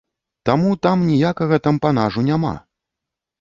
Таму там ніякага тампанажу няма!